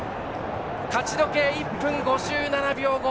勝ち時計１分５７秒５。